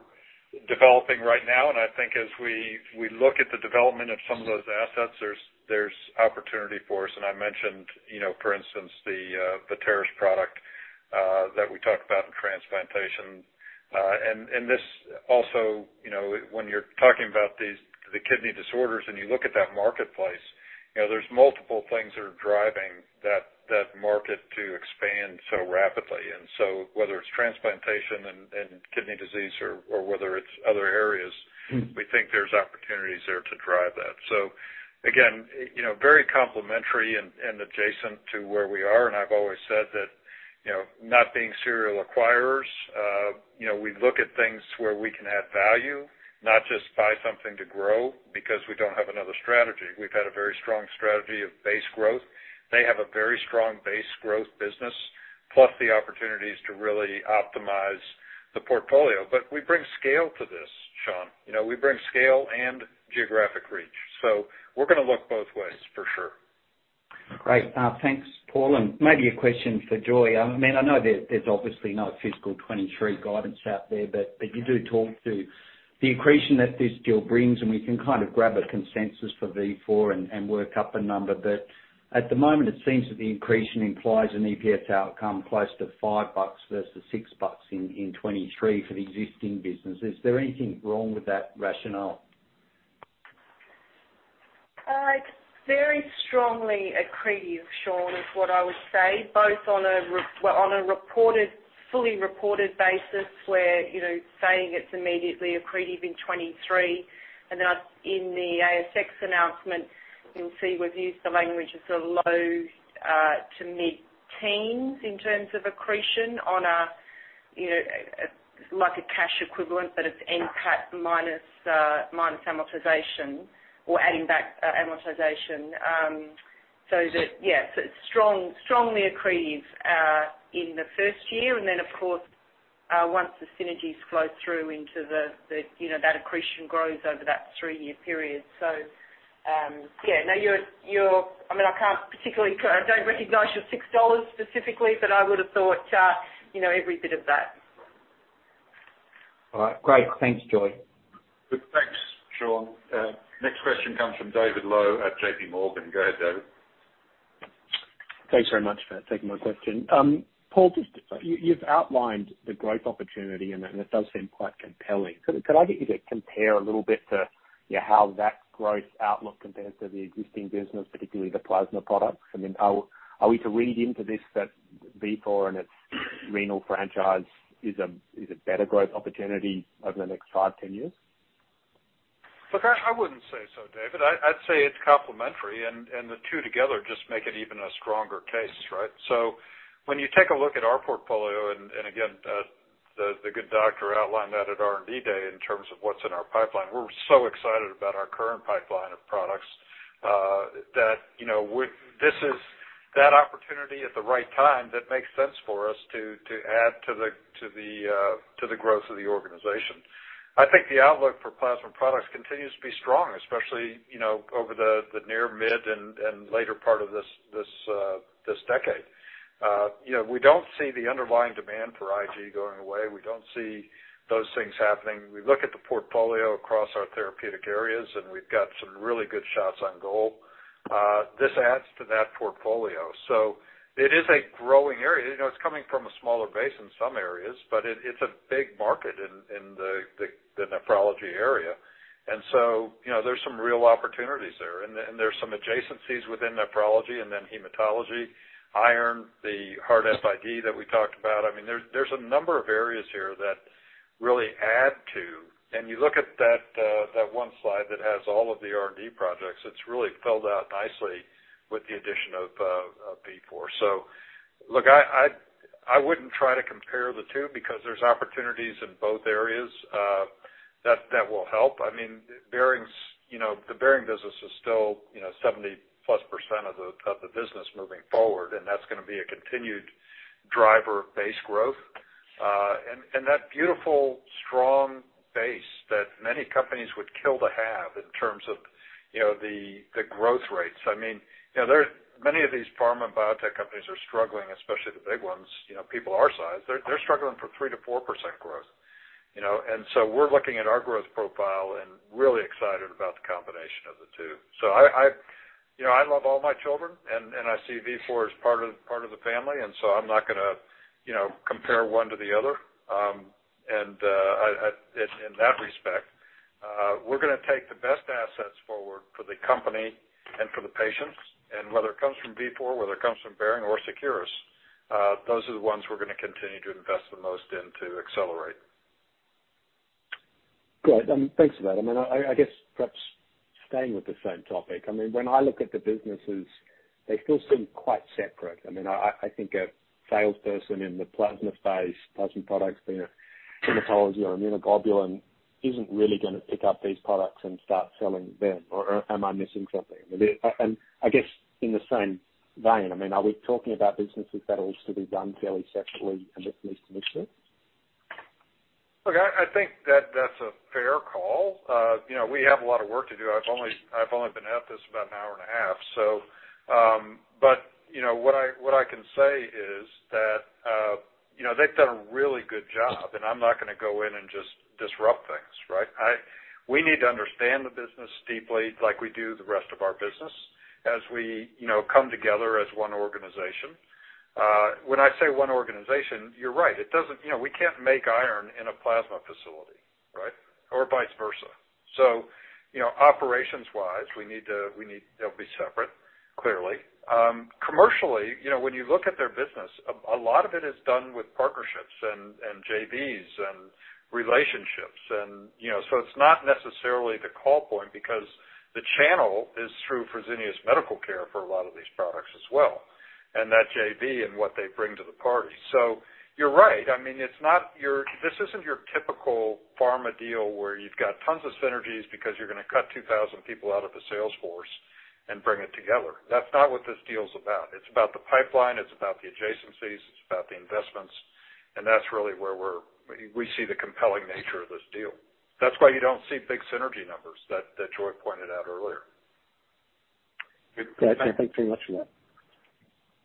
developing right now. I think as we look at the development of some of those assets, there's opportunity for us. I mentioned, you know, for instance, the Travere product that we talked about in transplantation. This also, you know, when you're talking about these kidney disorders, and you look at that marketplace, you know, there's multiple things that are driving that market to expand so rapidly. whether it's transplantation and kidney disease or whether it's other areas. Mm. We think there's opportunities there to drive that. Again, you know, very complementary and adjacent to where we are, and I've always said that, you know, not being serial acquirers, you know, we look at things where we can add value, not just buy something to grow because we don't have another strategy. We've had a very strong strategy of base growth. They have a very strong base growth business, plus the opportunities to really optimize the portfolio. We bring scale to this, Sean. You know, we bring scale and geographic reach. We're gonna look both ways for sure. Great. Thanks, Paul. Maybe a question for Joy. I mean, I know there's obviously no fiscal 2023 guidance out there, but you do talk to the accretion that this deal brings, and we can kind of grab a consensus for Vifor and work up a number. At the moment, it seems that the accretion implies an EPS outcome close to $5 versus $6 in 2023 for the existing business. Is there anything wrong with that rationale? It's very strongly accretive, Sean, is what I would say, both on a reported, fully reported basis where, you know, saying it's immediately accretive in 2023. Then in the ASX announcement, you'll see we've used the language as the low- to mid-teens% in terms of accretion on a, you know, like, a cash equivalent, but it's NPATA minus amortization or adding back amortization. That, yeah, so it's strongly accretive in the first year. Then, of course, once the synergies flow through into the, you know, that accretion grows over that three-year period. Yeah, now your. I mean, I can't particularly, I don't recognize your 6 dollars specifically, but I would've thought, you know, every bit of that. All right. Great. Thanks, Joy. Good. Thanks, Sean. Next question comes from David Low at JPMorgan. Go ahead, David. Thanks very much for taking my question. Paul, just you've outlined the growth opportunity and it does seem quite compelling. Could I get you to compare a little bit to, you know, how that growth outlook compares to the existing business, particularly the plasma products? I mean, are we to read into this that Vifor and its renal franchise is a better growth opportunity over the next five to 10 years? Look, I wouldn't say so, David. I'd say it's complementary and the two together just make it even a stronger case, right? When you take a look at our portfolio and again, the good doctor outlined that at R&D Day in terms of what's in our pipeline, we're so excited about our current pipeline of products that you know, this is that opportunity at the right time that makes sense for us to add to the growth of the organization. I think the outlook for plasma products continues to be strong, especially you know, over the near, mid and later part of this decade. You know, we don't see the underlying demand for IG going away. We don't see those things happening. We look at the portfolio across our therapeutic areas, and we've got some really good shots on goal. This adds to that portfolio. It is a growing area. You know, it's coming from a smaller base in some areas, but it's a big market in the nephrology area. You know, there's some real opportunities there and there's some adjacencies within nephrology and then hematology, iron, the heart failure that we talked about. I mean, there's a number of areas here really add to, and you look at that one slide that has all of the R&D projects, it's really filled out nicely with the addition of Vifor. Look, I wouldn't try to compare the two because there's opportunities in both areas, that will help. I mean, Behring, you know, the Behring business is still, you know, 70%+ of the business moving forward, and that's gonna be a continued driver of base growth. That beautiful, strong base that many companies would kill to have in terms of, you know, the growth rates. I mean, you know, many of these pharma and biotech companies are struggling, especially the big ones, you know, people our size. They're struggling for 3%-4% growth, you know. So we're looking at our growth profile and really excited about the combination of the two. I, you know, I love all my children and I see Vifor as part of the family, and I'm not gonna, you know, compare one to the other, and in that respect, we're gonna take the best assets forward for the company and for the patients, and whether it comes from Vifor, whether it comes from Behring or Seqirus, those are the ones we're gonna continue to invest the most in to accelerate. Great. Thanks for that. I mean, I guess perhaps staying with the same topic. I mean, when I look at the businesses, they still seem quite separate. I mean, I think a salesperson in the plasma space, plasma products, you know, hematology or immunoglobulin isn't really gonna pick up these products and start selling them, or am I missing something? I guess in the same vein, I mean, are we talking about businesses that will still be run fairly separately and at least initially? Look, I think that that's a fair call. You know, we have a lot of work to do. I've only been at this about an hour and a half, so, but, you know, what I can say is that, you know, they've done a really good job, and I'm not gonna go in and just disrupt things, right? We need to understand the business deeply like we do the rest of our business as we, you know, come together as one organization. When I say one organization, you're right, it doesn't. You know, we can't make iron in a plasma facility, right? Or vice versa. So, you know, operations-wise we need to be separate, clearly. Commercially, you know, when you look at their business, a lot of it is done with partnerships and JVs and relationships and, you know. It's not necessarily the call point because the channel is through Fresenius Medical Care for a lot of these products as well, and that JV and what they bring to the party. You're right. I mean, this isn't your typical pharma deal where you've got tons of synergies because you're gonna cut 2,000 people out of the sales force and bring it together. That's not what this deal's about. It's about the pipeline, it's about the adjacencies, it's about the investments, and that's really where we see the compelling nature of this deal. That's why you don't see big synergy numbers that Joy pointed out earlier. Good. Thanks very much for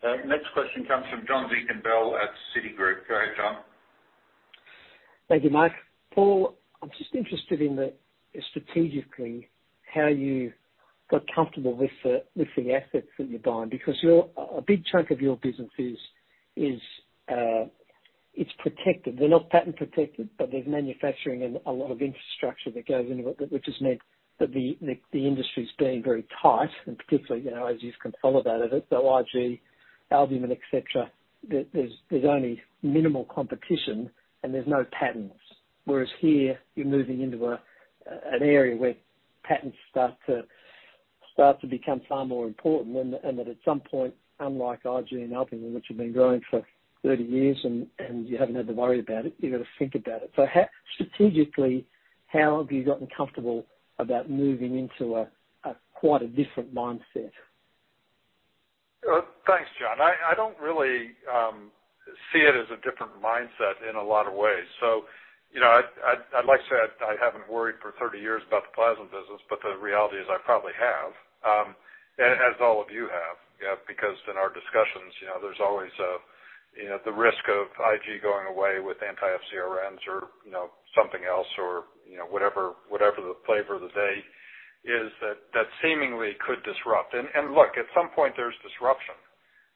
that. Next question comes from John Deakin-Bell at Citigroup. Go ahead, John. Thank you, Mike. Paul, I'm just interested in the strategically, how you got comfortable with the assets that you're buying because your a big chunk of your business is, it's protected. They're not patent protected, but there's manufacturing and a lot of infrastructure that goes into it, which has meant that the industry's been very tight, and particularly, you know, as you've consolidated it, so IG, albumin, et cetera, there's only minimal competition and there's no patents. Whereas here, you're moving into an area where patents start to become far more important and that at some point, unlike IG and albumin, which have been growing for 30 years and you haven't had to worry about it, you've got to think about it. How, strategically, have you gotten comfortable about moving into a quite different mindset? Thanks, John. I don't really see it as a different mindset in a lot of ways. You know, I'd like to say I haven't worried for 30 years about the plasma business, but the reality is I probably have, and as all of you have, yeah, because in our discussions, you know, there's always you know, the risk of IG going away with anti-FcRns or, you know, something else or, you know, whatever the flavor of the day is that seemingly could disrupt. Look, at some point there's disruption.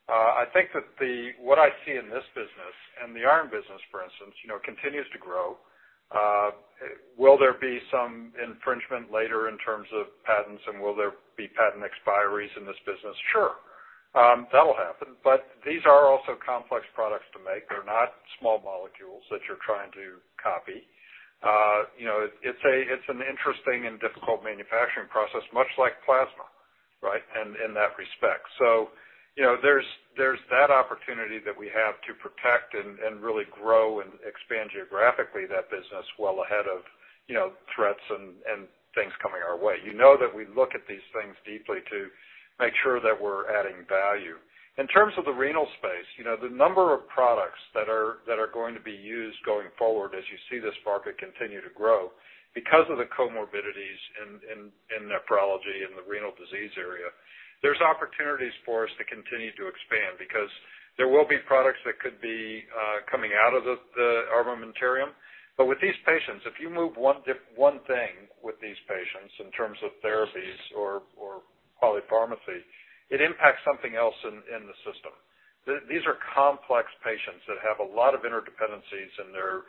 I think that what I see in this business and the iron business, for instance, you know, continues to grow. Will there be some infringement later in terms of patents and will there be patent expiries in this business? Sure, that'll happen. These are also complex products to make. They're not small molecules that you're trying to copy. You know, it's an interesting and difficult manufacturing process, much like plasma, right? In that respect. You know, there's that opportunity that we have to protect and really grow and expand geographically that business well ahead of, you know, threats and things coming our way. You know that we look at these things deeply to make sure that we're adding value. In terms of the renal space, you know, the number of products that are going to be used going forward as you see this market continue to grow because of the comorbidities in nephrology and the renal disease area, there's opportunities for us to continue to expand because there will be products that could be coming out of the armamentarium. But with these patients, if you move one thing with these patients in terms of therapies or polypharmacy, it impacts something else in the system. These are complex patients that have a lot of interdependencies in their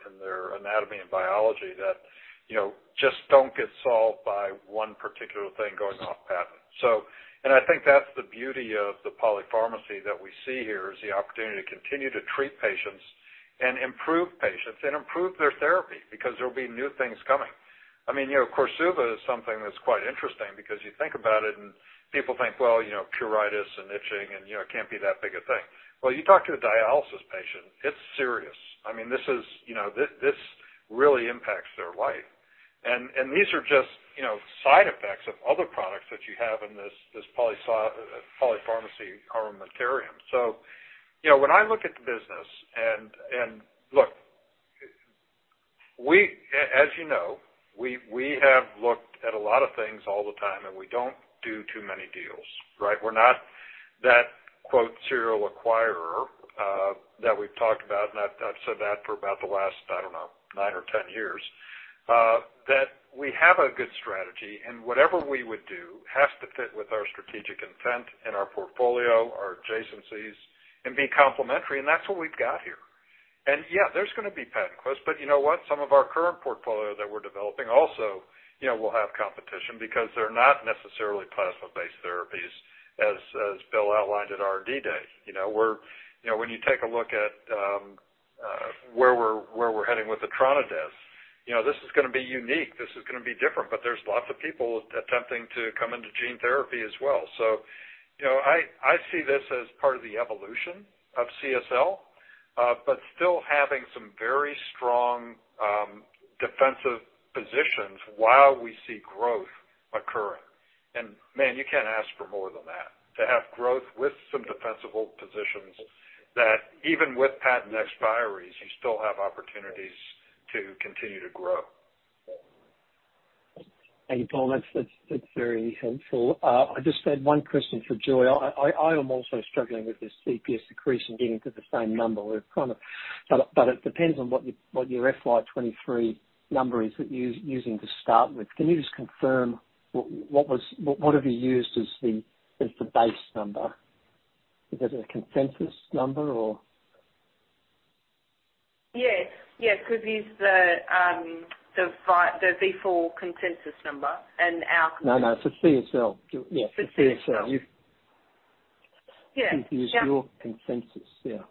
anatomy and biology that, you know, just don't get solved by one particular thing going off patent. I think that's the beauty of the polypharmacy that we see here, is the opportunity to continue to treat patients and improve patients and improve their therapy because there'll be new things coming. I mean, you know, KORSUVA is something that's quite interesting because you think about it, and people think, well, you know, pruritus and itching and, you know, it can't be that big a thing. Well, you talk to a dialysis patient, it's serious. I mean, this is, you know, this really impacts their life. These are just, you know, side effects of other products that you have in this polypharmacy armamentarium. You know, when I look at the business and look, as you know, we have looked at a lot of things all the time, and we don't do too many deals, right? We're not that "serial acquirer" that we've talked about, and I've said that for about the last, I don't know, nine or 10 years. That we have a good strategy, and whatever we would do has to fit with our strategic intent and our portfolio, our adjacencies, and be complementary, and that's what we've got here. Yeah, there's gonna be patent cliffs, but you know what? Some of our current portfolio that we're developing also, you know, will have competition because they're not necessarily plasma-based therapies as Bill outlined at our R&D Day. You know, when you take a look at where we're heading with the etranacogene dezaparvovec, you know, this is gonna be unique. This is gonna be different, but there's lots of people attempting to come into gene therapy as well. You know, I see this as part of the evolution of CSL, but still having some very strong defensive positions while we see growth occurring. Man, you can't ask for more than that, to have growth with some defensible positions that even with patent expiries, you still have opportunities to continue to grow. Thank you, Paul. That's very helpful. I just had one question for Joy. I am also struggling with this CPS decrease and getting to the same number. It depends on what your FY 2023 number is that using to start with. Can you just confirm what have you used as the base number? Is it a consensus number or? Yes. Yes. We've used the Vifor consensus number and our- No, no. For CSL. Yeah, for CSL. For CSL. Yeah. Yeah. You've used your consensus, yeah.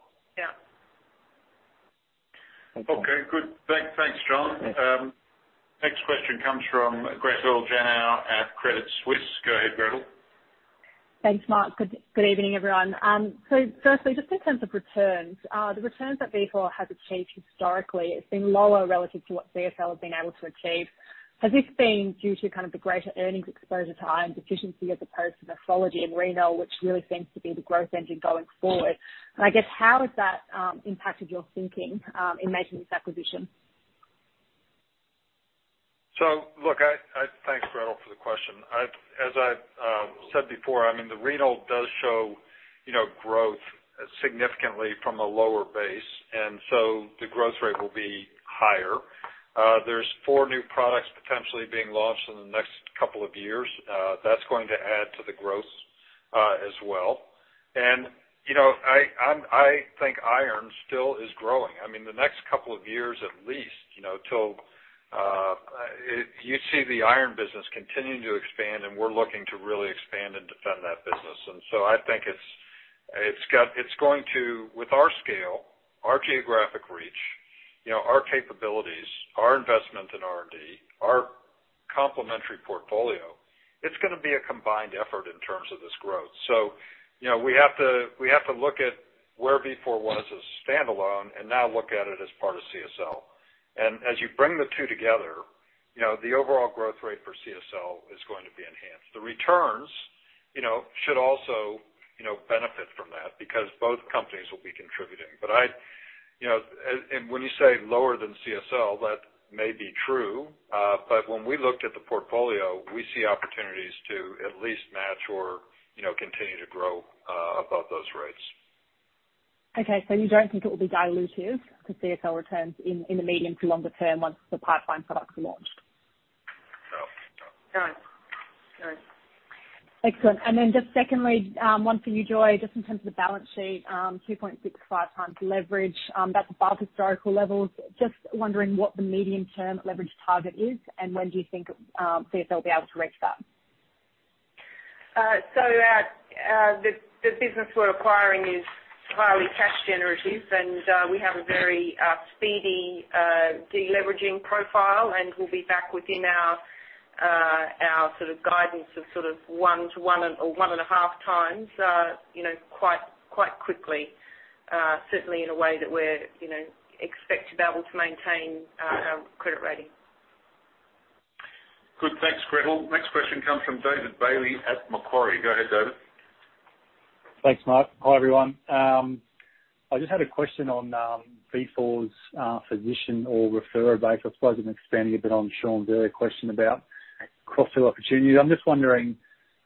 Yeah. Thank you. Okay, good. Thanks, Sean. Next question comes from Gretel Janu at Credit Suisse. Go ahead, Gretel. Thanks, Mark. Good evening, everyone. Just in terms of returns, the returns that Vifor has achieved historically, it's been lower relative to what CSL has been able to achieve. Has this been due to kind of the greater earnings exposure to iron deficiency as opposed to nephrology and renal, which really seems to be the growth engine going forward? I guess how has that impacted your thinking in making this acquisition? Thanks, Gretel for the question. As I've said before, I mean, the renal does show, you know, growth significantly from a lower base, and the growth rate will be higher. There's four new products potentially being launched in the next couple of years. That's going to add to the growth, as well. You know, I think iron still is growing. I mean, the next couple of years at least, you know, till you see the iron business continuing to expand and we're looking to really expand and defend that business. I think it's got, it's going to... With our scale, our geographic reach, you know, our capabilities, our investment in R&D, our complementary portfolio, it's gonna be a combined effort in terms of this growth. You know, we have to look at where Vifor was as a standalone and now look at it as part of CSL. As you bring the two together, you know, the overall growth rate for CSL is going to be enhanced. The returns, you know, should also, you know, benefit from that because both companies will be contributing. I, you know, and when you say lower than CSL, that may be true, but when we looked at the portfolio, we see opportunities to at least match or, you know, continue to grow above those rates. Okay. You don't think it will be dilutive to CSL returns in the medium to longer term once the pipeline products are launched? No. No. No. Excellent. Just secondly, one for you, Joy. Just in terms of the balance sheet, 2.65 times leverage, that's above historical levels. Just wondering what the medium-term leverage target is and when do you think CSL will be able to reach that? The business we're acquiring is highly cash generative, and we have a very speedy deleveraging profile, and we'll be back within our sort of guidance of sort of 1 to 1, or 1.5 times, you know, quite quickly, certainly in a way that we're, you know, expect to be able to maintain our credit rating. Good. Thanks, Gretel. Next question comes from David Bailey at Macquarie. Go ahead, David. Thanks, Mark. Hi, everyone. I just had a question on Vifor's physician or referrer base. I suppose I'm expanding a bit on Sean's earlier question about cross-sell opportunities. I'm just wondering,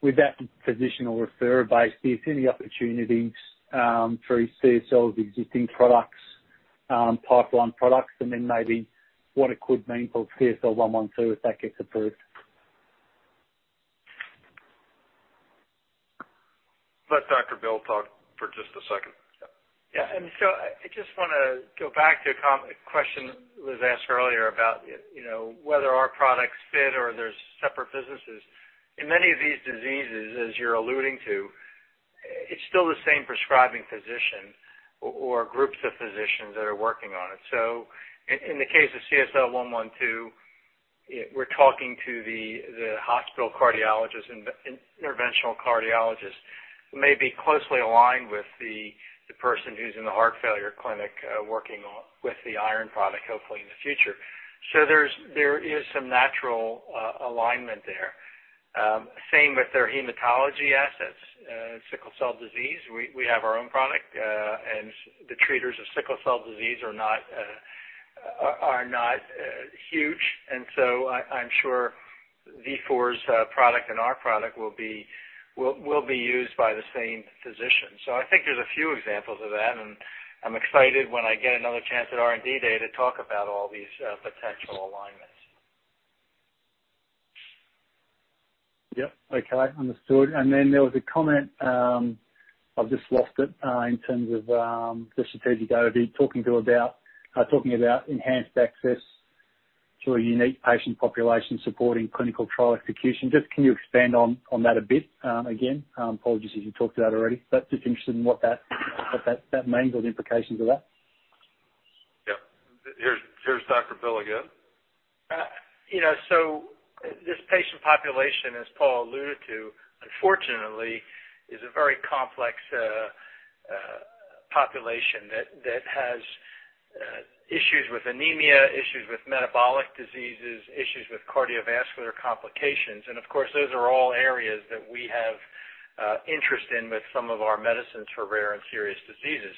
with that physician or referrer base, do you see any opportunities through CSL's existing products, pipeline products, and then maybe what it could mean for CSL112 if that gets approved? Let Dr. Bill talk for just a second. I just wanna go back to a question that was asked earlier about, you know, whether our products fit or there's separate businesses. In many of these diseases, as you're alluding to, it's still the same prescribing physician or groups of physicians that are working on it. In the case of CSL112, we're talking to the hospital cardiologist, interventional cardiologists, who may be closely aligned with the person who's in the heart failure clinic, working on with the iron product, hopefully in the future. There is some natural alignment there. Same with their hematology assets, sickle cell disease. We have our own product, and the treaters of sickle cell disease are not huge. I’m sure Vifor’s product and our product will be used by the same physician. I think there’s a few examples of that, and I’m excited when I get another chance at R&D Day to talk about all these potential alignments. Yep. Okay. Understood. There was a comment, I've just lost it, in terms of the strategic talking about enhanced access to a unique patient population supporting clinical trials execution, can you expand on that a bit again? Apologies if you talked about it already but just interested in what that means and the implications of that. Yeah. Here's Dr. Bill again. You know, this patient population, as Paul alluded to, unfortunately, is a very complex population that has issues with anemia, issues with metabolic diseases, issues with cardiovascular complications. Of course, those are all areas that we have interest in with some of our medicines for rare and serious diseases.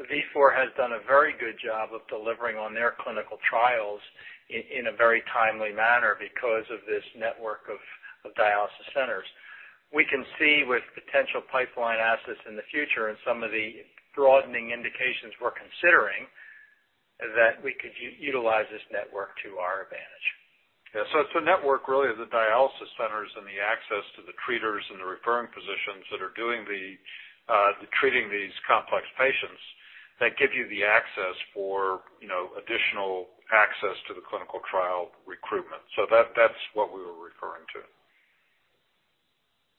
Vifor has done a very good job of delivering on their clinical trials in a very timely manner because of this network of dialysis centers. We can see with potential pipeline assets in the future and some of the broadening indications we're considering, that we could utilize this network to our advantage. Yeah. It's a network really of the dialysis centers and the access to the treaters and the referring physicians that are doing the treating these complex patients that give you the access for, you know, additional access to the clinical trial recruitment. That's what we were referring to.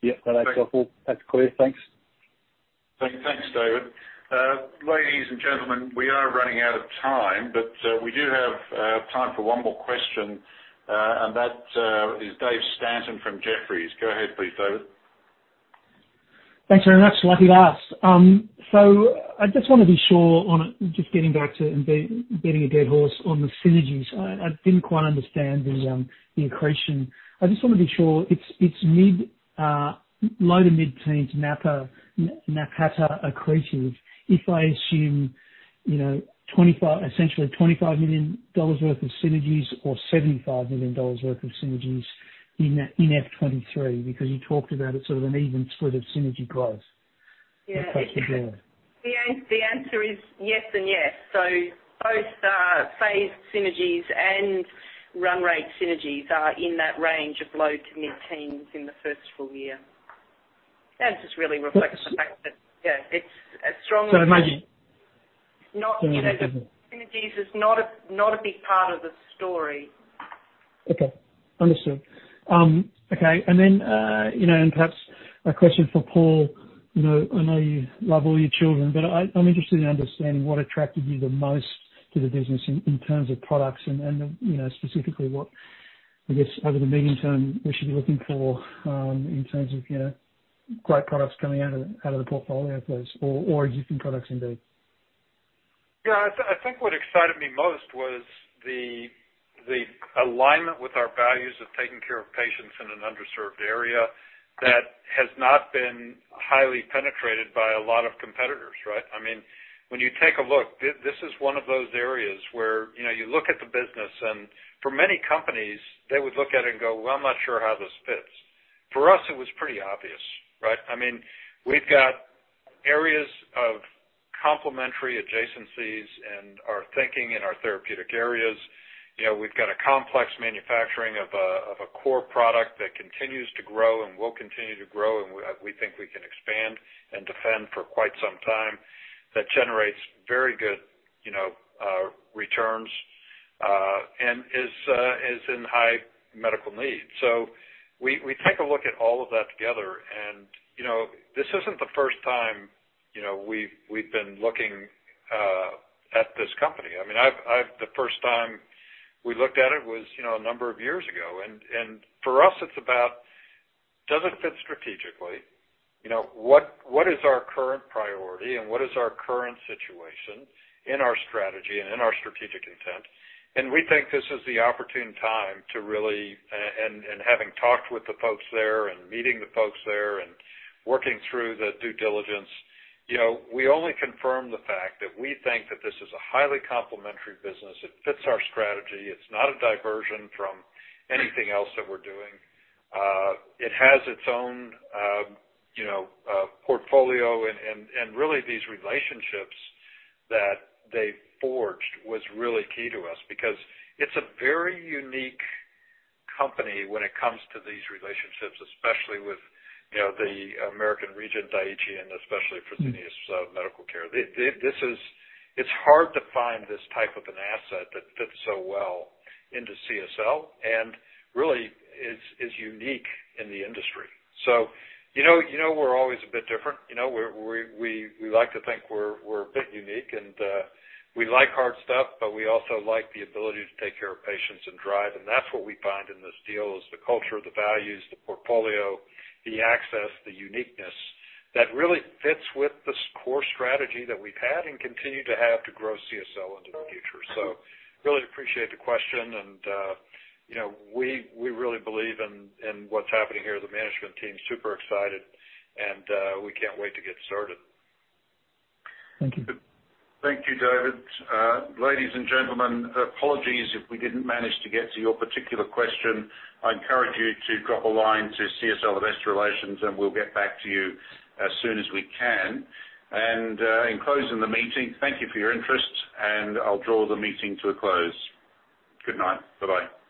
Yeah. That's helpful. That's clear. Thanks. Thanks, David. Ladies and gentlemen, we are running out of time, but we do have time for one more question, and that is David Stanton from Jefferies. Go ahead, please, David. Thanks very much. Lucky last. So I just wanna be sure on just getting back to beating a dead horse on the synergies. I didn't quite understand the accretion. I just wanna be sure it's low- to mid-teens NPATA accretive if I assume, you know, $25—essentially $25 million worth of synergies or $75 million worth of synergies in FY 2023, because you talked about it sort of an even split of synergy growth. Yeah. Across the board. The answer is yes and yes. Both phase synergies and run rate synergies are in that range of low- to mid-teens% in the first full year. It just really reflects the fact that, yeah, it's a strong Imagine. No, you know, synergies is not a big part of the story. Okay. Understood. Okay. You know, perhaps a question for Paul. You know, I know you love all your children, but I'm interested in understanding what attracted you the most to the business in terms of products and you know, specifically what, I guess, over the medium term, we should be looking for in terms of you know, great products coming out of the portfolio, I suppose, or existing products indeed. Yeah, I think what excited me most was the alignment with our values of taking care of patients in an underserved area that has not been highly penetrated by a lot of competitors, right? I mean, when you take a look, this is one of those areas where, you know, you look at the business, and for many companies, they would look at it and go, "Well, I'm not sure how this fits." For us, it was pretty obvious, right? I mean, we've got areas of complementary adjacencies in our thinking, in our therapeutic areas. You know, we've got a complex manufacturing of a core product that continues to grow and will continue to grow, and we think we can expand and defend for quite some time, that generates very good, you know, returns, and is in high medical need. We take a look at all of that together and, you know, this isn't the first time, you know, we've been looking at this company. I mean, the first time we looked at it was, you know, a number of years ago. For us, it's about does it fit strategically? You know, what is our current priority and what is our current situation in our strategy and in our strategic intent? We think this is the opportune time and having talked with the folks there and meeting the folks there and working through the due diligence, you know, we only confirm the fact that we think that this is a highly complementary business. It fits our strategy. It's not a diversion from anything else that we're doing. It has its own portfolio and really these relationships that they forged was really key to us because it's a very unique company when it comes to these relationships, especially with, you know, the American Regent, Daiichi Sankyo and especially Fresenius Medical Care. This is. It's hard to find this type of an asset that fits so well into CSL and really is unique in the industry. You know, we're always a bit different. You know, we like to think we're a bit unique and we like hard stuff, but we also like the ability to take care of patients and drive. That's what we find in this deal is the culture, the values, the portfolio, the access, the uniqueness that really fits with this core strategy that we've had and continue to have to grow CSL into the future. Really appreciate the question and, you know, we really believe in what's happening here. The management team's super excited and, we can't wait to get started. Thank you. Thank you, David. Ladies and gentlemen, apologies if we didn't manage to get to your particular question. I encourage you to drop a line to CSL Investor Relations, and we'll get back to you as soon as we can. In closing the meeting, thank you for your interest, and I'll draw the meeting to a close. Good night. Bye-bye.